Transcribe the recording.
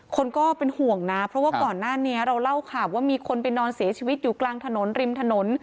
ก็เป็นห่วงนะเพราะว่าก่อนหน้านี้เราเล่าข่าวว่ามีคนไปนอนเสียชีวิตอยู่กลางถนนริมถนน